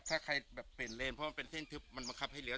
ถ้าใครเป็นเรนเพราะมันเป็นเส้นทึบมันมะคับให้เลี้ยว